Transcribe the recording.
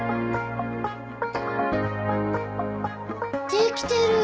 できてる。